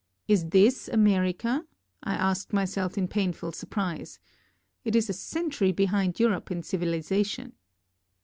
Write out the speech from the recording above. "Is this America?" I asked myself in painful surprise. "It is a century behind Europe in civilization."